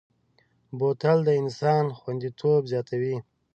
بوتل د انسان خوندیتوب زیاتوي.